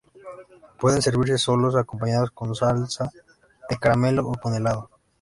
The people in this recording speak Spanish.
Pueden servirse solos, acompañados con salsa de caramelo o con helado.